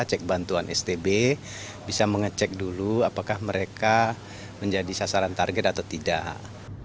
cek bantuan stb bisa mengecek dulu apakah mereka menjadi sasaran target atau tidak